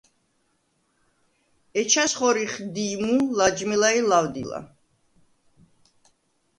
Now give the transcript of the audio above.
ეჩას ხორიხ: დი̄ჲმუ, ლაჯმილა ი ლავდილა.